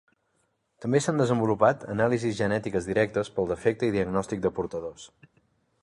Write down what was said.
També s’han desenvolupat anàlisis genètiques directes pel defecte i diagnòstic de portadors.